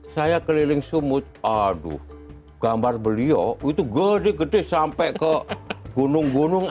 saya keliling sumut aduh gambar beliau itu gede gede sampai ke gunung gunung